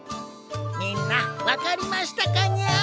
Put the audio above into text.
みんな分かりましたかニャ？